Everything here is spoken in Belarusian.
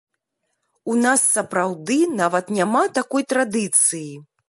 У нас сапраўды нават няма такой традыцыі.